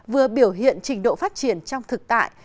vừa biểu hiện trình độ phát triển trong thực tại